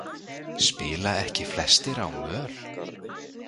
Spila ekki flestir á möl?